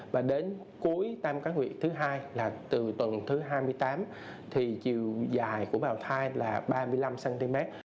và đến cuối tam cá huyện thứ hai là từ tuần thứ hai mươi tám thì chiều dài của bào thai là ba mươi năm cm